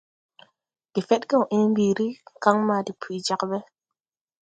Gefedgew ęę mbiiri, kan maa depuy jāg ɓe.